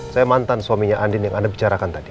saya mantan suaminya andin yang anda bicarakan tadi